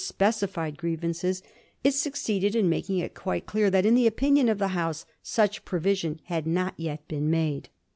166 specified grievances, it succeeded in making it quite clear that in the opinion of the House such provision had not jet been made.